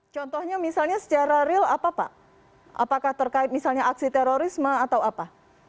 contohnya misalnya secara real apa pak apakah terkait misalnya aksi terorisme atau apa